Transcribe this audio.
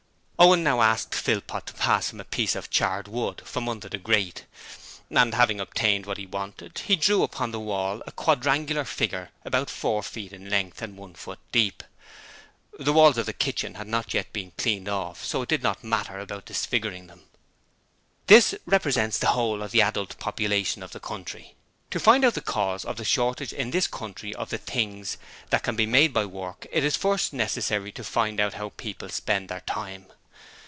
Owen now asked Philpot to pass him a piece of charred wood from under the grate, and having obtained what he wanted, he drew upon the wall a quadrangular figure about four feet in length and one foot deep. The walls of the kitchen had not yet been cleaned off, so it did not matter about disfiguring them. ++||||||||||| This represents the whole of the adult population of the country |||||||||||++ 'To find out the cause of the shortage in this country of the things that can be made by work it is first of all necessary to find out how people spend their time.